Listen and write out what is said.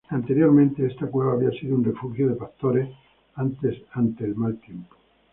Anteriormente, esta cueva había sido refugio de pastores ante el mal tiempo.